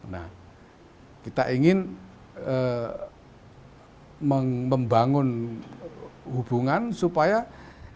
nah kita ingin membangun hubungan supaya ini nanti gerakan perdamaian ini